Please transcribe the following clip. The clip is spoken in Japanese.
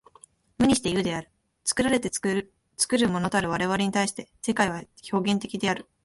無にして有である。作られて作るものたる我々に対して、世界は表現的である。